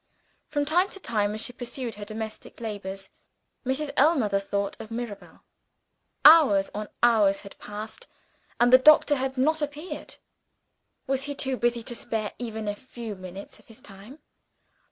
From time to time, as she pursued her domestic labors, Mrs. Ellmother thought of Mirabel. Hours on hours had passed and the doctor had not appeared. Was he too busy to spare even a few minutes of his time?